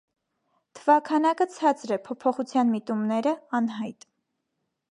Թվաքանակը ցածր է, փոփոխության միտումները՝ անհայտ։